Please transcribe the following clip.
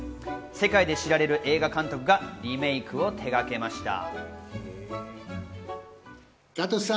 世界で知られる映画監督がリメイクを手がけました。